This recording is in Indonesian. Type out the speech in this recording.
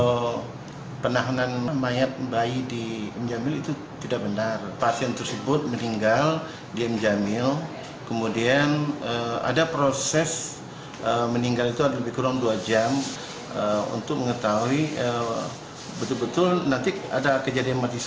untuk mengetahui betul betul nanti ada kejadian mati suri bagaimana